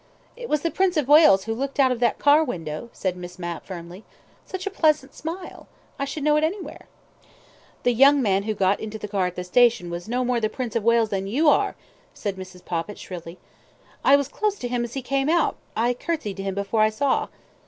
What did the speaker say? "It was the Prince of Wales who looked out of that car window," said Miss Mapp firmly. "Such a pleasant smile. I should know it anywhere." "The young man who got into the car at the station was no more the Prince of Wales than you are," said Mrs. Poppit shrilly. "I was close to him as he came out: I curtsied to him before I saw."